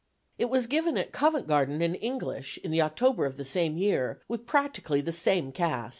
It was given at Covent Garden in English, in the October of the same year, with practically the same cast.